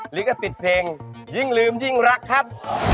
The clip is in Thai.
หรือก็ติดเพลงยิ่งลืมยิ่งรักครับ